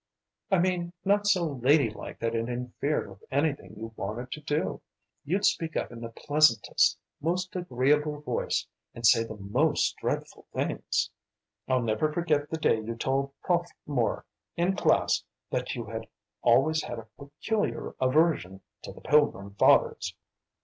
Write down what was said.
"I mean not so lady like that it interfered with anything you wanted to do. You'd speak up in the pleasantest, most agreeable voice and say the most dreadful things. I'll never forget the day you told "Prof" Moore in class that you had always had a peculiar aversion to the Pilgrim Fathers."